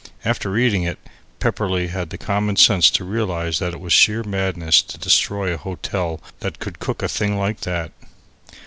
After eating it, Pepperleigh had the common sense to realize that it was sheer madness to destroy a hotel that could cook a thing like that.